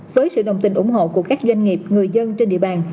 với sự đồng tình ủng hộ của các doanh nghiệp người dân trên địa bàn